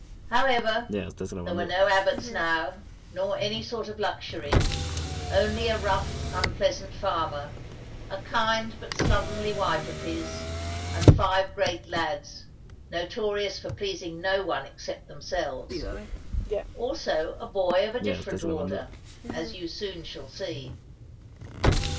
However, there were no abbots now, nor any sort of luxury, only a rough unpleasant farmer, a kind but slovenly wife of his, and five great lads, notorious for pleasing no one except themselves; also a boy of a different order, as you soon shall see.